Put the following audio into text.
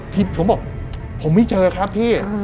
ผมบอกผมไม่เจอครับพี่